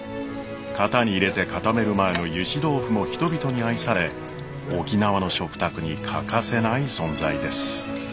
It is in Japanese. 型に入れて固める前のゆし豆腐も人々に愛され沖縄の食卓に欠かせない存在です。